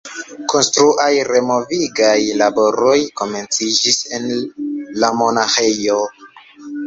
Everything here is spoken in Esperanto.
Konstruaj renovigaj laboroj komenciĝis en lamonaĥejo.